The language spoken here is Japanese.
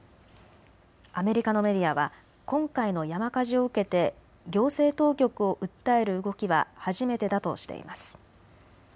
アメリカのメディアは今回の山火事を受けて行政当局を訴える動きは初めてだとしています。